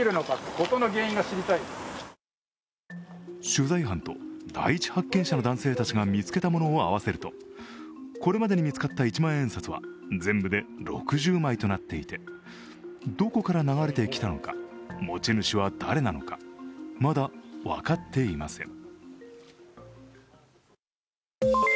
取材班と第一発見者の男性たちが見つけたものを合わせるとこれまでに見つかった一万円札は全部で６０枚となっていて、どこから流れてきたのか、持ち主は誰なのかまだ分かっていません。